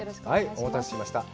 お待たせしました。